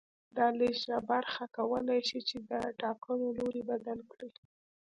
دا لږه برخه کولای شي چې د ټاکنو لوری بدل کړي